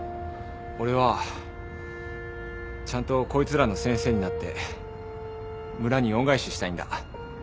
俺はちゃんとこいつらの先生になって村に恩返ししたいんだ。